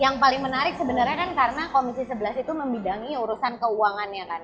yang paling menarik sebenarnya kan karena komisi sebelas itu membidangi urusan keuangannya kan